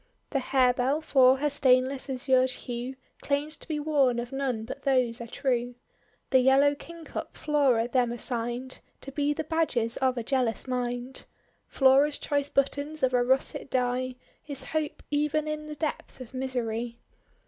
The Harebell, for her stainless azured hue, Claims to be worn of none but those are true. Tlie Yellow Kingcup Flora them assigned To be the badges of a jealous mind. Flora's choice buttons of a russet dye, Is Hope even in the depth of mi sery.